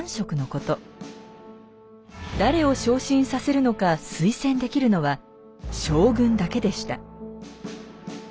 誰を昇進させるのか推薦できるのは将軍だけでした。